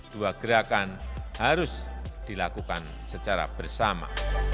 dua gerakan harus dilakukan secara bersama